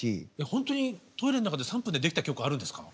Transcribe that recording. ほんとにトイレの中で３分で出来た曲あるんですか？